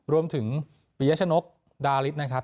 รวมถึงปีเยชนกดาลิสนะครับ